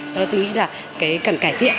và tôi nghĩ là cần cải thiện